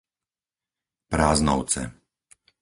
Práznovce